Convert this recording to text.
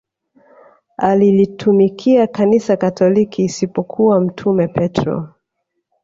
alilitumikia kanisa katoliki isipokuwa mtume petro